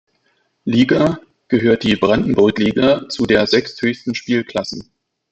Liga, gehört die Brandenburg-Liga zu der sechsthöchsten Spielklassen.